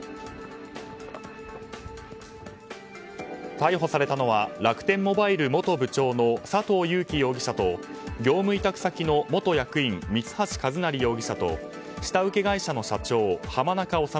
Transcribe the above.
逮捕されたのは楽天モバイル元部長の佐藤友紀容疑者と業務委託先の元役員三橋一成容疑者と下請け会社の社長浜中治